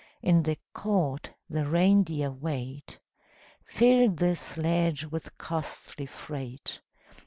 In the court the reindeer wait; Filled the sledge with costly freight.